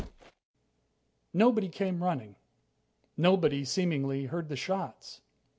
Nobody came running. Nobody, seemingly, heard the shots.